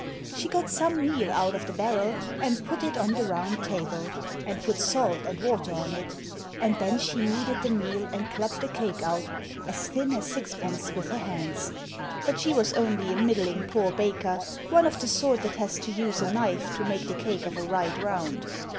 She got some meal out of the barrel and put it on the round table, and put salt and water on it, and then she kneaded the meal and clapped a cake out as thin as sixpence with her hands. But she was only a middling poor baker, one of the sort that has to use a knife to make the cake of a right round.